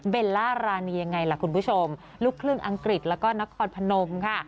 ล่ารานียังไงล่ะคุณผู้ชมลูกครึ่งอังกฤษแล้วก็นครพนมค่ะ